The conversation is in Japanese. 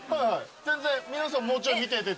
全然皆さんもうちょい見ていただいて。